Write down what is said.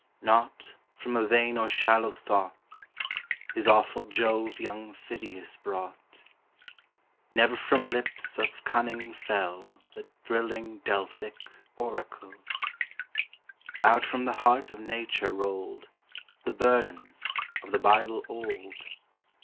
Not from a vain or shallow thought His awful Jove young Phidias brought; Never from lips of cunning fell The thrilling Delphic oracle: Out from the heart of nature rolled The burdens of the Bible old; 230 THE HIGHER LIFE.